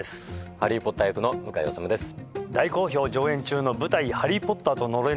ハリー・ポッター役の向井理です